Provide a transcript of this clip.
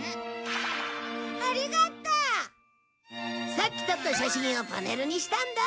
さっき撮った写真をパネルにしたんだ！